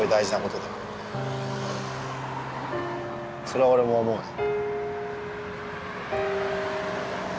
それは俺も思うぜ。